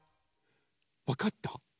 わかった？